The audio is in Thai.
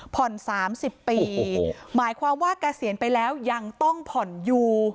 สามสิบปีหมายความว่าเกษียณไปแล้วยังต้องผ่อนอยู่